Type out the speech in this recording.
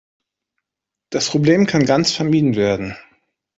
Das Problem kann ganz vermieden werden.